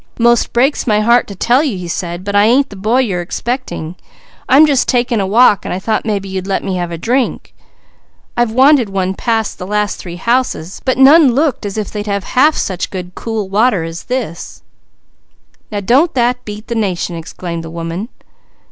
"'Most breaks my heart to tell you," he said, "but I ain't the boy you're expecting. I'm just taking a walk and I thought maybe you'd let me have a drink. I've wanted one past the last three houses, but none looked as if they'd have half such good, cool water as this." "Now don't that beat the nation!" exclaimed the woman.